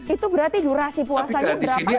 itu berarti durasi puasanya berapa jam itu pak